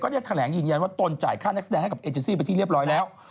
ได้แถลงยืนยันว่าตนจ่ายค่านักแสดงให้กับเอเจซี่ไปที่เรียบร้อยแล้ว